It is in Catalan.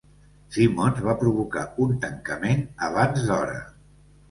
Simmons va provocar un tancament abans d'hora.